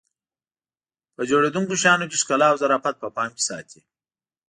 په جوړېدونکو شیانو کې ښکلا او ظرافت په پام کې ساتي.